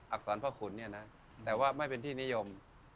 อรพ่อขุนเนี่ยนะแต่ว่าไม่เป็นที่นิยม